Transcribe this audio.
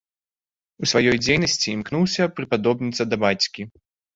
У сваёй дзейнасці імкнуўся прыпадобніцца да бацькі.